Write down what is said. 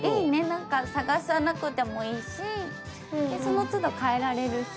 なんか探さなくてもいいしその都度変えられるし。